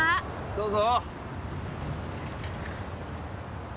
どうぞ。